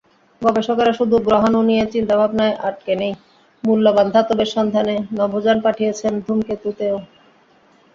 গবেষকেরা শুধু গ্রহাণু নিয়ে চিন্তাভাবনায় আটকে নেই, মূল্যবান ধাতবের সন্ধানে নভোযান পাঠিয়েছেন ধূমকেতুতেও।